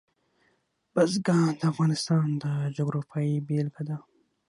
بزګان د افغانستان د جغرافیې بېلګه ده.